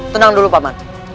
tenang dulu pak man